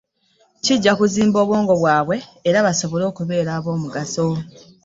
Kijja kuzimba obwongo bwabwe era basobole okubeera ab'omugaso.